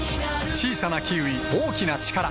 小さなキウイ、大きなチカラ